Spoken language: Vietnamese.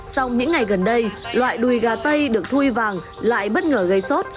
xong những ngày gần đây loại đùi gà tây được thui vàng lại bất ngờ gây sốt